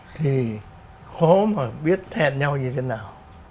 thì khó mà biết hẹn nhau như thế nào